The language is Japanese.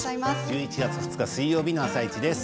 １１月２日水曜日の「あさイチ」です。